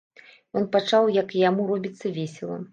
Ён пачуў, як і яму робіцца весела.